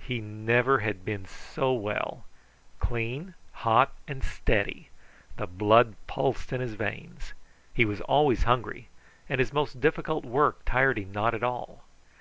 He never had been so well. Clean, hot, and steady the blood pulsed in his veins. He was always hungry, and his most difficult work tired him not at all.